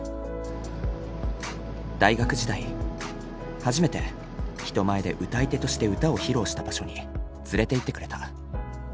大学時代初めて人前で歌い手として歌を披露した場所に連れていってくれた。